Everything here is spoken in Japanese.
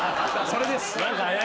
それです。